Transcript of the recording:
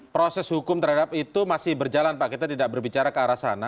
proses hukum terhadap itu masih berjalan pak kita tidak berbicara ke arah sana